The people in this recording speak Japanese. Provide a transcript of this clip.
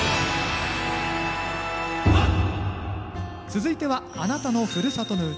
続いては「あなたのふるさとの唄」。